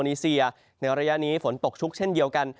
นีเซียในระยะนี้ฝนตกชุกเช่นเดียวกัน